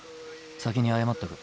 先に謝っておく。